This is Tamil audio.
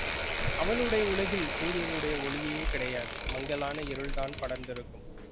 அவனுடைய உலகில் சூரியனுடைய ஒளியே கிடையாது மங்கலான இருள்தான் படர்ந்திருக்கும்.